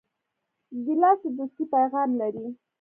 ګیلاس د دوستۍ پیغام لري.